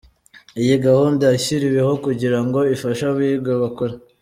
Iyi gahunda yashyiriweho kugira ngo ifashe abiga bakora.